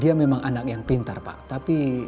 dia memang anak yang pintar pak tapi